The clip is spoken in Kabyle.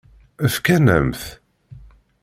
Fkan-am-t?